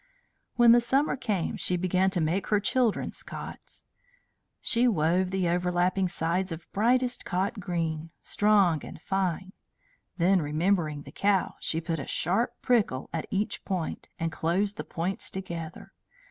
When the summer came she began to make her children's cots. She wove the overlapping sides of brightest cot green, strong and fine. Then, remembering the cow, she put a sharp prickle at each point, and closed the points together.